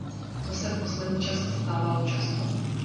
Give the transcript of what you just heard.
To se poslední čas stávalo často.